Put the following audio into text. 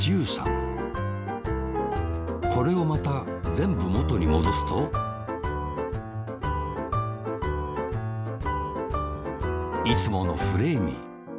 これをまたぜんぶもとにもどすといつものフレーミー。